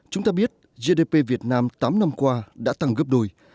chúng ta biết gdp việt nam tám năm qua đã tăng gấp đôi